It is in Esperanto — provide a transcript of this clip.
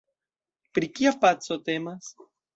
Pri kia paco temas?